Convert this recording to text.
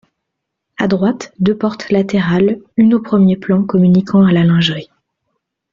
À droite, deux portes latérales, une au premier plan, communiquant à la lingerie.